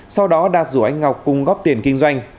sau đó đạt rủ anh ngọc cùng góp tiền kinh doanh